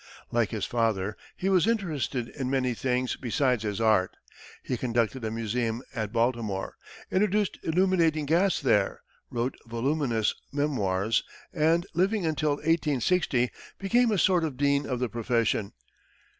Like his father, he was interested in many things besides his art; he conducted a museum at Baltimore, introduced illuminating gas there, wrote voluminous memoirs, and, living until 1860, became a sort of dean of the profession.